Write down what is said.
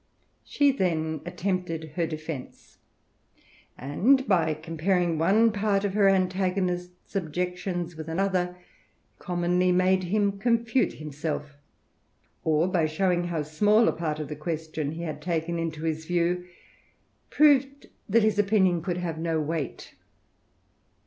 She then attempted her defence, and, by com paring one part of her antagonist's objeciions with another, commonly made him confute himself; or, by showing how small a part of the question he had taken into his view, wed that his opinion could have no weight.